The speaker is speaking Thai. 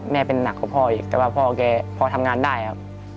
เป็นหนักกว่าพ่ออีกแต่ว่าพ่อแกพอทำงานได้ครับ